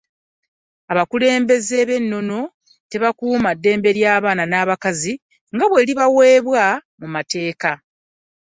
Abakulembeze b'ennono tebakuuma ddembe ly’abaana n’abakazi nga bwe libaweebwa mu mateeka.